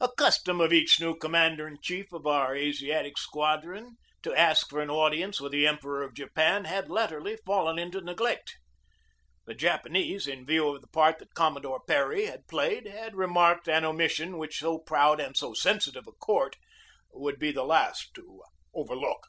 A custom of each new commander in chief of our Asiatic Squadron to ask for an audience with the Emperor of Japan had latterly fallen into neglect. The Japanese, in view of the part that Commodore Perry had played, had remarked an omission which so proud and so sensitive a court would be the last to overlook.